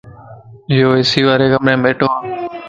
يو اي سي واري ڪمريم ٻيھڻووَ